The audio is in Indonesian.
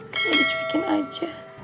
kayaknya dicurigin aja